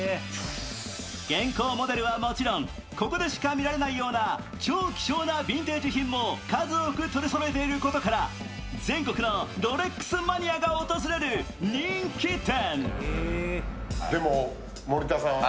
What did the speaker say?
現行モデルはもちろん、ここでしか見られないような超希少なヴィンテージ品も数多く取りそろえていることから全国のロレックスマニアが訪れる人気店。